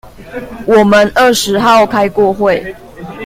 我們二十號開過會